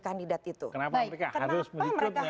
kandidat itu kenapa mereka harus